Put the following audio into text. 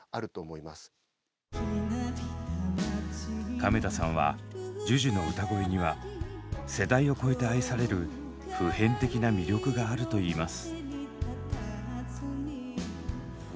亀田さんはＪＵＪＵの歌声には世代を超えて愛される普遍的な魅力があるといいます。